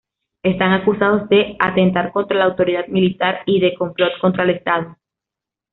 Están acusados de "atentar contra la autoridad militar" y de "complot contra el estado".